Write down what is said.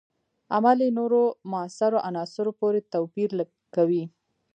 عمل یې نورو موثرو عناصرو پورې توپیر کوي.